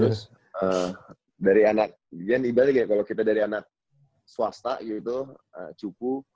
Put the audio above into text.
terus dari anak iya ini ibaratnya kayak kalau kita dari anak swasta gitu cupu